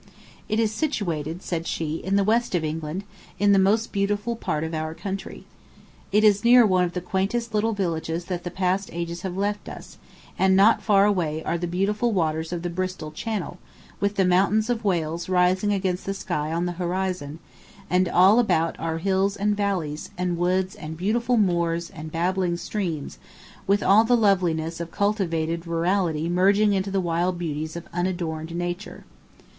"It is situated," said she, "in the west of England, in the most beautiful part of our country. It is near one of the quaintest little villages that the past ages have left us, and not far away are the beautiful waters of the Bristol Channel, with the mountains of Wales rising against the sky on the horizon, and all about are hills and valleys, and woods and beautiful moors and babbling streams, with all the loveliness of cultivated rurality merging into the wild beauties of unadorned nature."